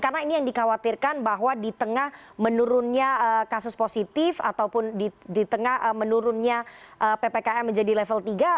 karena ini yang dikhawatirkan bahwa di tengah menurunnya kasus positif ataupun di tengah menurunnya ppkm menjadi level tiga